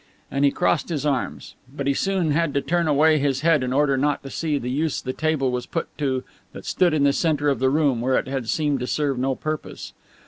And he crossed his arms. But he soon had to turn away his head in order not to see the use the table was put to that stood in the center of the room, where it had seemed to serve no purpose.